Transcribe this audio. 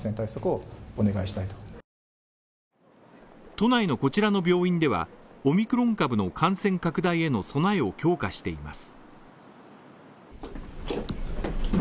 都内のこちらの病院では、オミクロン株の感染拡大への備えを強化しています。